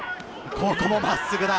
ここも真っすぐだ。